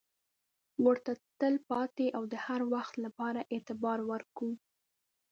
ورته تل پاتې او د هروخت لپاره اعتبار ورکوو.